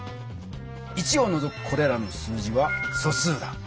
１をのぞくこれらの数字は「素数」だ。